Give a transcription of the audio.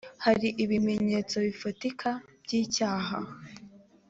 hari ibimenyetso bifatika by’icyaha